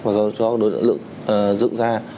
và cho đối tượng dựng ra